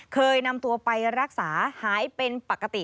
เคยนำตัวไปรักษาหายเป็นปกติ